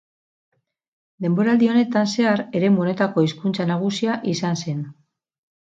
Denboraldi honetan zehar eremu honetako hizkuntza nagusia izan zen.